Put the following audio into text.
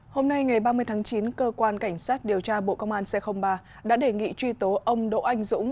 hôm nay ngày ba mươi tháng chín cơ quan cảnh sát điều tra bộ công an c ba đã đề nghị truy tố ông đỗ anh dũng